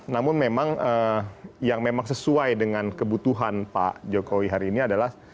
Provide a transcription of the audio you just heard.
namun memang yang memang sesuai dengan kebutuhan pak jokowi hari ini adalah